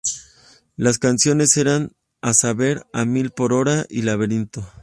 Las canciones eran a saber: A Mil Por Hora y Laberinto.